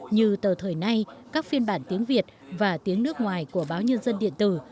như tờ thời nay các phiên bản tiếng việt và tiếng nước ngoài của báo nhân dân điện tử